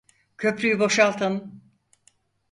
Köprüyü boşaltın!